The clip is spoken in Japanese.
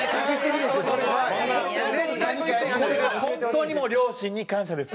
そんなこれは本当にもう両親に感謝です。